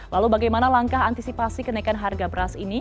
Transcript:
lalu bagaimana langkah antisipasi kenaikan harga beras ini